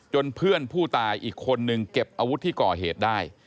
เพื่อนผู้ตายอีกคนนึงเก็บอาวุธที่ก่อเหตุได้